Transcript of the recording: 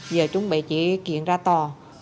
giờ chuẩn bị chị kiện ra tò